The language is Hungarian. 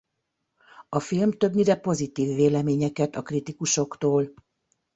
A film többnyire pozitív véleményeket a kritikusoktól.